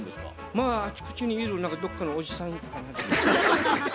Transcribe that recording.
まああちこちにいる何かどっかのおじさんかな。